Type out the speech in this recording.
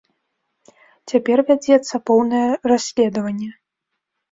Цяпер вядзецца поўнае расследаванне.